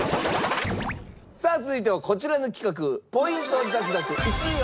さあ続いてはこちらの企画。